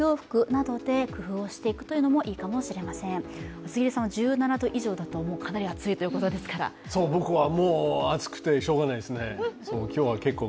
厚切りさんは、１７度以上だとかなり暑いということですから、僕はもう暑くてしようがないですね。